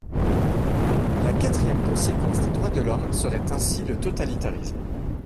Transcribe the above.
La quatrième conséquence des droits de l’homme serait ainsi le totalitarisme.